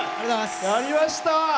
やりました！